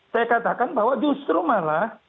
saya katakan bahwa justru malah